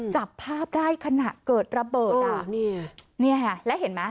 จับภาพได้ขณะเกิดระเบิดอ่ะนี่ค่ะแล้วเห็นไหม